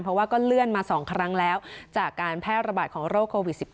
เพราะว่าก็เลื่อนมา๒ครั้งแล้วจากการแพร่ระบาดของโรคโควิด๑๙